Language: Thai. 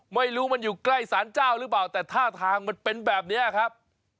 ไม่รู้มันอยู่ใกล้สารเจ้าหรือเปล่าแต่ท่าทางมันเป็นแบบนี้ครับ